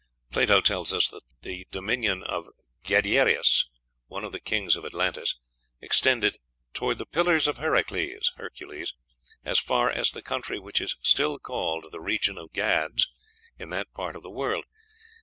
Plato tells us that the dominion of Gadeirus, one of the kings of Atlantis, extended "toward the pillars of Heracles (Hercules) as far as the country which is still called the region of Gades in that part of the world."